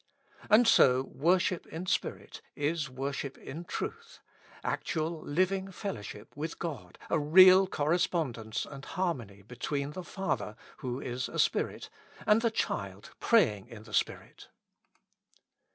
And so worship in spirit is worship t7i truth ; actual living fellowship with God a real correspondence and har mony between the Father, who is a Spirit, and the child praying in the spirit.